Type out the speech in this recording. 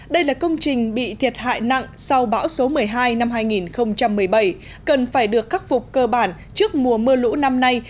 đây là công trình bị thiệt hại nặng sau bão số một mươi hai năm hai nghìn một mươi bảy cần phải được khắc phục cơ bản trước mùa mưa lũ năm nay